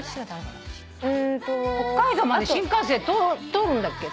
北海道まで新幹線通るんだっけ？